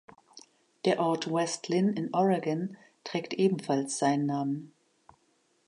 Der Ort West Linn in Oregon trägt ebenfalls seinen Namen.